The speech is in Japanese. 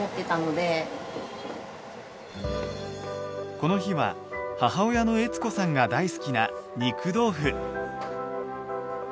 この日は母親の悦子さんが大好きな肉豆腐。